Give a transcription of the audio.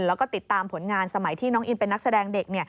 แล้วก็ติดตามผลงานสมัยที่น้องอินเป็นนักแสดงเด็ก